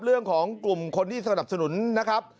เรื่องของกลุ่มคนที่สนับสนุนนะครับ